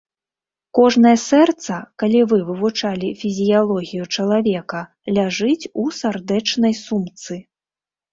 Кожнае сэрца, калі вы вывучалі фізіялогію чалавека, ляжыць у сардэчнай сумцы.